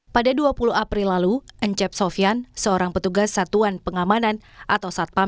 pada dua puluh april lalu ncep sofian seorang petugas satuan pengamanan atau satpam